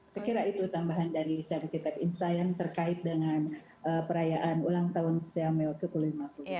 sekiranya itu tambahan dari saya menggitap insayen terkait dengan perayaan ulang tahun cmo ke lima puluh lima